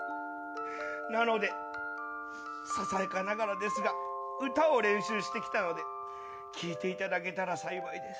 なのでささやかながらですが歌を練習して来たので聴いていただけたら幸いです。